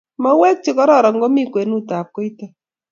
Mauek chegororon kogomi kwenetab koito